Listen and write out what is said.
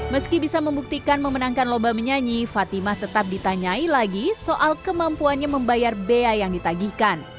meski bisa membuktikan memenangkan lomba menyanyi fatimah tetap ditanyai lagi soal kemampuannya membayar bea yang ditagihkan